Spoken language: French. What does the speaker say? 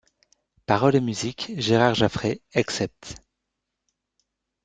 Paroles et musiques Gérard Jaffrès, except.